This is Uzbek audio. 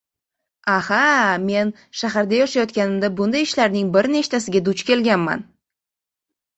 Aha, men shaharda yashayotganimda bunday ishlarning bir nechtasiga duch kelganman.